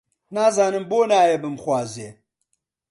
نازانم بۆ نایە بمخوازێ؟